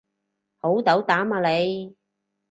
好斗膽啊你